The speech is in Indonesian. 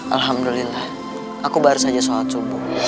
alhamdulillah aku baru saja sholat subuh